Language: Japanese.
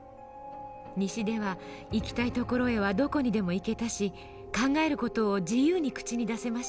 西では行きたい所へはどこにでも行けたし考える事を自由に口に出せました。